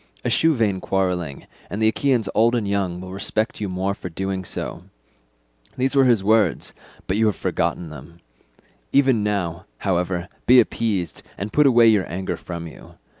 Eschew vain quarrelling, and the Achaeans old and young will respect you more for doing so.' These were his words, but you have forgotten them. Even now, however, be appeased, and put away your anger from you.